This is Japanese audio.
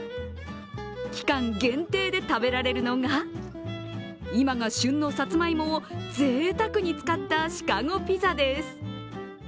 期間限定で食べられるのが今が旬のさつまいもをぜいたくに使ったシカゴピザです。